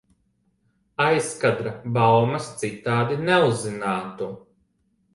Aizkadra baumas citādi neuzzinātu.